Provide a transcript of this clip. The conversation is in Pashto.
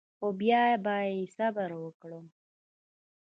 خو بیا به صبر وکړم.